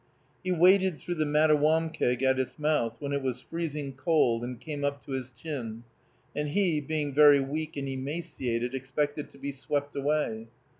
He waded through the Mattawamkeag at its mouth, when it was freezing cold and came up to his chin, and he, being very weak and emaciated, expected to be swept away.